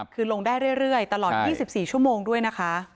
คือลงได้เรื่อยตลอด๒๔ชั่วโมงด้วยนะคะ